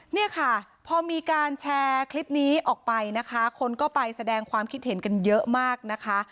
เนี่ยค่ะพอมีการแชร์คลิปนี้ออกไปนะคะคนก็ไปแสดงความคิดเห็นกันเยอะมากนะคะ